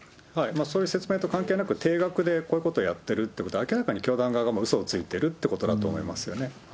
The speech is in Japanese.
そういう説明と関係なく、定額でこういうことをやってるということは、明らかに教団側がうそをついてるということだと思いますよね。